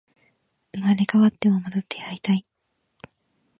生まれ変わっても、また出会いたい